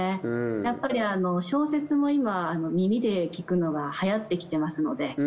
やっぱり小説も今耳で聞くのがはやってきてますので。